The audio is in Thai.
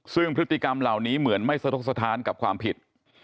ซึ่งพฤติกรรมเหมือนไม่สะทกสะทานกับความผิด